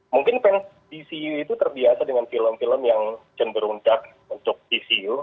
mungkin tcu itu terbiasa dengan film film yang cenderung cak untuk tcu